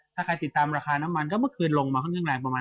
ถ้าใครติดตามราคาน้ำมันก็เมื่อคืนลงมาค่อนข้างแรงประมาณ